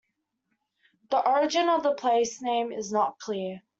The origin of the place-name is not clear.